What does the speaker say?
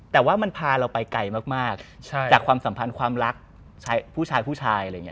แต่ว่ามันพาเราไปไกลมากจากความสัมพันธ์ความรักผู้ชายผู้ชายอะไรอย่างนี้